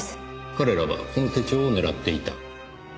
彼らはこの手帳を狙っていた。